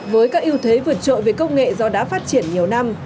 với các ưu thế vượt trội về công nghệ do đã phát triển nhiều năm